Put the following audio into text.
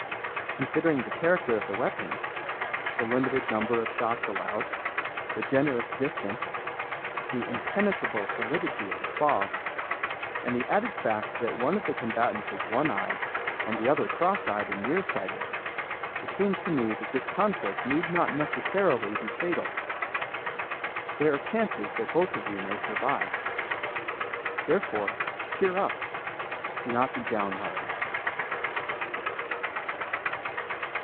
Considering the character of the weapons, the limited number of shots allowed, the generous distance, the impenetrable solidity of the fog, and the added fact that one of the combatants is one eyed and the other cross eyed and near sighted, it seems to me that this conflict need not necessarily be fatal. There are chances that both of you may survive. Therefore, cheer up; do not be downhearted."